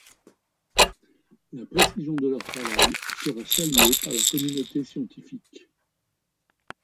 La précision de leur travail sera saluée par la communauté scientifique.